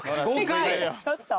ちょっと！